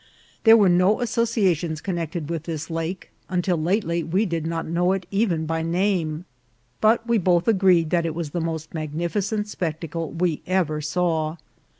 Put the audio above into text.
There were no associations connected with this lake ; until lately we did not know it even by name ; but we both agreed that it was the most magnificent spectacle we ever saw.